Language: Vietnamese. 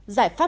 giải pháp năm